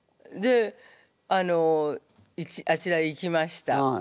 あのあちらへ行きました。